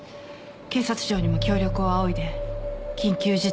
警察庁にも協力を仰いで緊急事態に備えなければ。